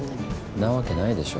なわけないでしょ